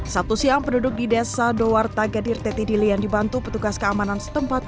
satu siang penduduk di desa doar tagadir teti dili yang dibantu petugas keamanan setempat